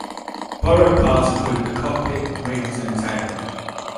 Borrowed parts included the cockpit, wings, and tail.